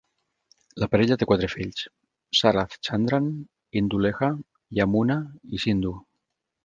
La parella té quatre fills: Sarath Chandran, Indulekha, Yamuna i Sindhu.